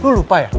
eh lu lupa ya